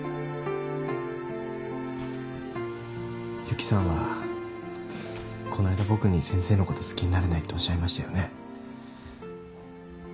ゆきさんはこの間僕に先生のこと好きになれないっておっしゃいましたよね？